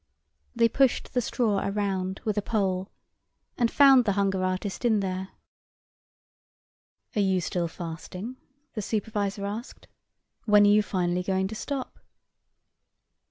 They pushed the straw around with a pole and found the hunger artist in there. "Are you still fasting?" the supervisor asked. "When are you finally going to stop?"